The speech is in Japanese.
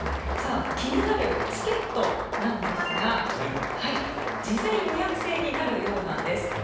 気になるチケットなんですが事前予約制になるようなんです。